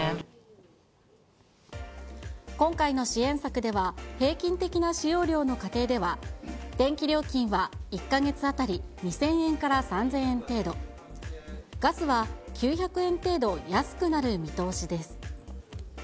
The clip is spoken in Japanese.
今回の支援策では、平均的な使用量の家庭では、電気料金は１か月当たり２０００円から３０００円程度、ガスは９００円程度安くなる見通しです。